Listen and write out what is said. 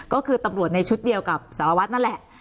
ก็คือตำรวจในชุดเดียวกับสารวัตรนั่นแหละ